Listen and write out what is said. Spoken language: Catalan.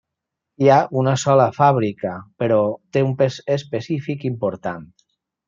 Hi ha una sola fàbrica, però té un pes específic important.